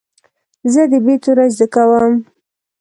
زه د "ب" توری زده کوم.